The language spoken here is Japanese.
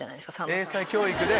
英才教育で。